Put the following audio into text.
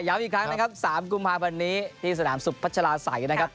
ย้ำอีกครั้งนะครับ๓กุมภาพวันนี้ที่สนามสุภัชราสัยนะครับ